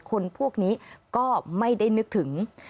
คนพวกนี้ก็ไม่ได้นึกถึง